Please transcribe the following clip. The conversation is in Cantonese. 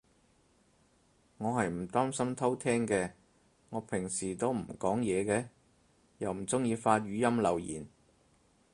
我係唔擔心偷聼嘅，我平時都唔講嘢嘅。又唔中意發語音留言